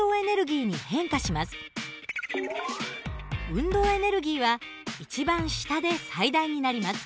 運動エネルギーは一番下で最大になります。